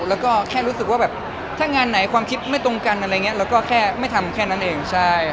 แล้วก็แค่รู้สึกว่าแบบถ้างานไหนความคิดไม่ตรงกันอะไรอย่างนี้เราก็แค่ไม่ทำแค่นั้นเองใช่